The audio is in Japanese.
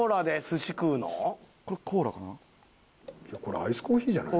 これアイスコーヒーじゃない？